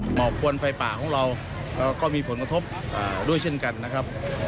หมอกควันไฟป่าของเราก็มีผลกระทบด้วยเช่นกันนะครับ